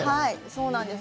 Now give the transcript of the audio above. そうなんです。